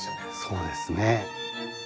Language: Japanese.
そうですね。